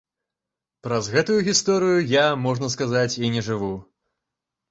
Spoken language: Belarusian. Праз гэтую гісторыю я, можна сказаць, і не жыву.